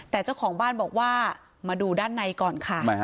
แต่เจ้าของบ้านบอกว่ามาดูด้านในก่อนค่ะ